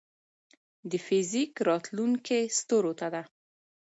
د فزیک راتلونکې ستورو ته ده.